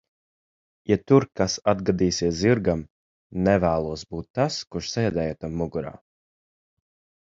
Ja tur kas atgadīsies zirgam, nevēlos būt tas, kurš sēdēja tam mugurā.